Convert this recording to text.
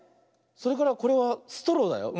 それからこれはストローだよ。